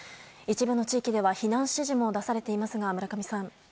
一部の地域では避難指示も出されていますが、村上さん。